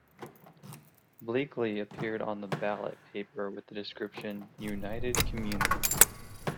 Bleakley appeared on the ballot paper with the description 'United Community'.